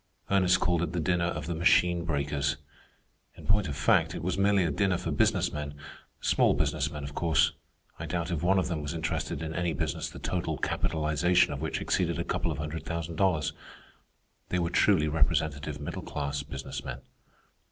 Ernest called it the dinner of the Machine Breakers. In point of fact, it was merely a dinner for business men—small business men, of course. I doubt if one of them was interested in any business the total capitalization of which exceeded a couple of hundred thousand dollars. They were truly representative middle class business men.